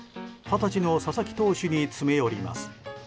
二十歳の佐々木投手に詰め寄ります。